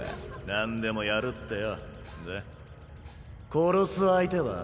殺す相手は？